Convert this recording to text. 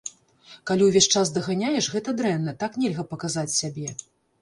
Калі ўвесь час даганяеш, гэта дрэнна, так нельга паказаць сябе.